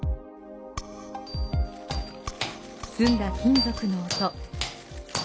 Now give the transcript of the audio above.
澄んだ金属の音。